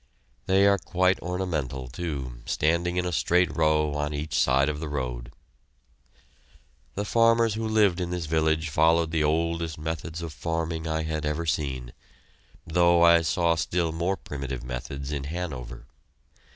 They are quite ornamental, too, standing in a straight row on each side of the road. The farmers who lived in this village followed the oldest methods of farming I had ever seen, though I saw still more primitive methods in Hanover.